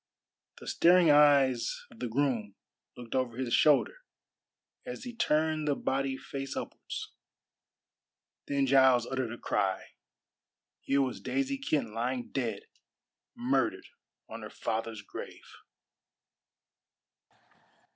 The staring eyes of the groom looked over his shoulder as he turned the body face upwards. Then Giles uttered a cry. Here was Daisy Kent lying dead murdered on her father's grave!